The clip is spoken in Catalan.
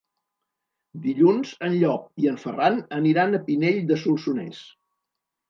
Dilluns en Llop i en Ferran aniran a Pinell de Solsonès.